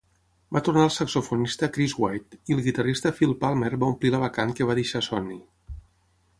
Va tornar el saxofonista Chris White, i el guitarrista Phil Palmer va omplir la vacant que va deixar Sonni.